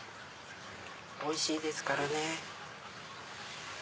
おいしいですからね。